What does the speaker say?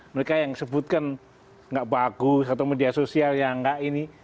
mereka yang sebutkan nggak bagus atau media sosial yang nggak ini